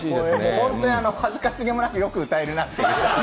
本当に恥ずかしげもなく、よく歌えるなという。